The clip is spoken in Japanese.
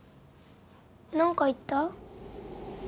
何か言った？